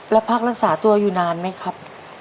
แล้วพักรักษาตัวอยู่นานไหมครับ